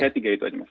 saya tiga itu aja mas